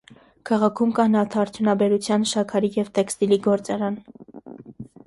Քաղաքում կա նավարդյունաբերության, շաքարի և տեքստիլի գործարան։